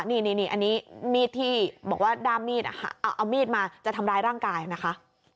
นี่อันนี้มีดที่บอกว่าด้ามมีดเอามีดมาจะทำร้ายร่างกายนะคะ